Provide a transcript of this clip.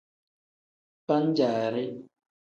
Pan-jaari.